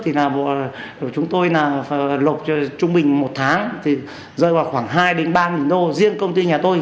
thì là chúng tôi lột trung bình một tháng thì rơi vào khoảng hai ba nghìn đô riêng công ty nhà tôi